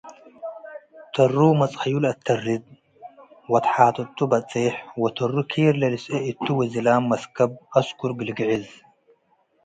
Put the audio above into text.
ተሩ መጽሀዩ ለአተርድ ወተሐጥጡ በጹሕ ወተሩ ኬር ለልስኤ እቱ ወዝላም መስከብ አስኩ ልግዕዝ ።